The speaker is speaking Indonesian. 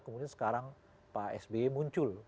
kemudian sekarang pak sby muncul